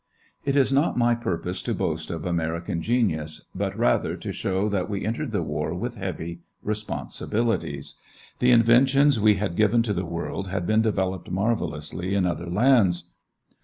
It is not my purpose to boast of American genius but, rather, to show that we entered the war with heavy responsibilities. The inventions we had given to the world had been developed marvelously in other lands.